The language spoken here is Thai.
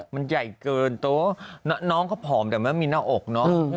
มันใหญ่เกินโต๊น้องก็ผอมแต่ไม่มีหน้าอกเนอะ